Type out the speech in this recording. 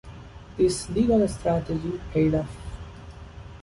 This legal strategy paid off.